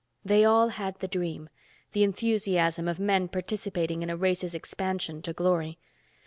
They all had the dream. The enthusiasm of men participating in a race's expansion to glory.